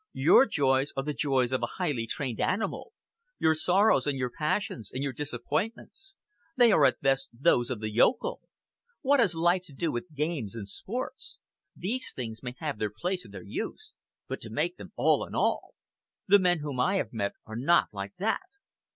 Your joys are the joys of a highly trained animal; your sorrows and your passions and your disappointments they are at best those of the yokel. What has life to do with games and sports? These things may have their place and their use, but to make them all in all! The men whom I have met are not like that!"